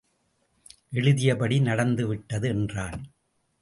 எழுதியபடி நடந்து விட்டது என்றான்.